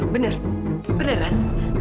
bener beneran apapun